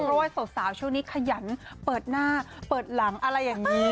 เพราะว่าสาวช่วงนี้ขยันเปิดหน้าเปิดหลังอะไรอย่างนี้